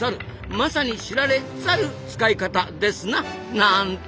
まさに知られ「ザル」使い方ですな。なんて。